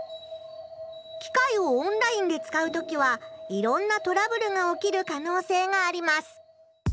きかいをオンラインで使う時はいろんなトラブルが起きるかのうせいがあります。